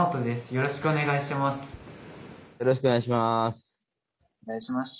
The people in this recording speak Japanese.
よろしくお願いします。